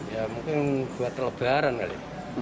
ya mungkin buat lebaran kali